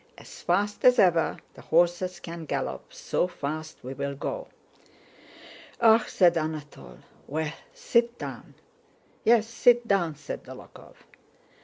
As fast as ever the horses can gallop, so fast we'll go!" "Ah!" said Anatole. "Well, sit down." "Yes, sit down!" said Dólokhov.